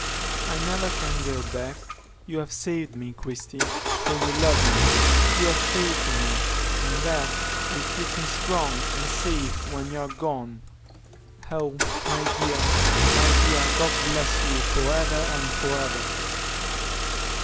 "I never can go back; you have saved me, Christie, for you love me, you have faith in me, and that will keep me strong and safe when you are gone. Oh, my dear, my dear, God bless you for ever and for ever!"